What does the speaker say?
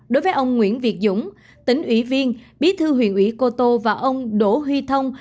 đối với ông nguyễn việt dũng tỉnh ủy viên bí thư huyện ủy cô tô và ông đỗ huy thông